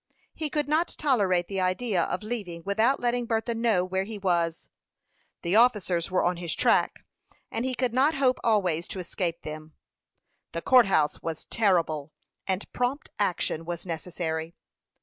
He could not tolerate the idea of leaving without letting Bertha know where he was. The officers were on his track, and he could not hope always to escape them. The court house was terrible, and prompt action was necessary.